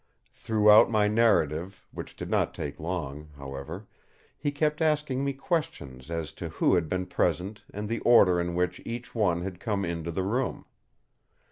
Throughout my narrative, which did not take long, however, he kept asking me questions as to who had been present and the order in which each one had come into the room.